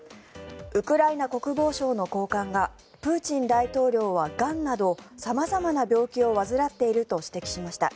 ウクライナ国防省の高官がプーチン大統領は、がんなど様々な病気を患っていると指摘しました。